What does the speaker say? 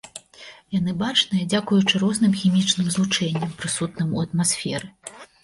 Яны бачныя дзякуючы розным хімічным злучэнням, прысутным у атмасферы.